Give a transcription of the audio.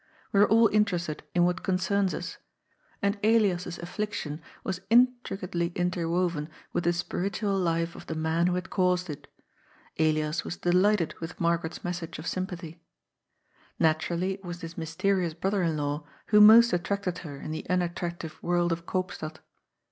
We are all in terested in what concerns us ; and Elias's affliction was in tricately interwoven with the spiritual life of the man who had caused it. Elias was delighted with Margaret's message of sympathy. Naturally it was this mysterious brother in law who most attracted her in the unattractive world of Koopstad.